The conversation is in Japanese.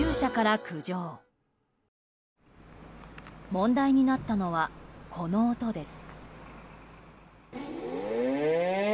問題になったのはこの音です。